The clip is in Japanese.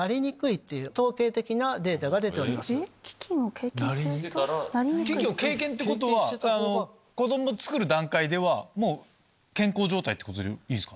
飢饉を経験ってことは子供つくる段階では健康状態ってことでいいですか？